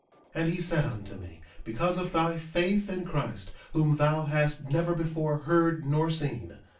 1:8 And he said unto me: Because of thy faith in Christ, whom thou hast never before heard nor seen.